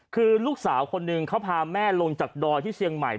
คือลูกสาวคนหนึ่งเขาพาแม่ลงจากดอยที่เชียงใหม่